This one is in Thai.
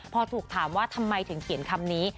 พอถูกถามว่าทำไมถึงเขียนคำนี้